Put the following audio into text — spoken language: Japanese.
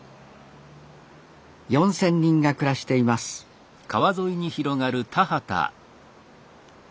４，０００人が暮らしていますか